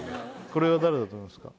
これは誰だと思いますか？